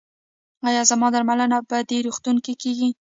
ایا زما درملنه په دې روغتون کې کیږي؟